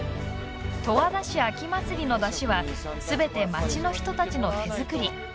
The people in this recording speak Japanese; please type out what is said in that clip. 十和田市秋まつりの山車はすべて、町の人たちの手作り。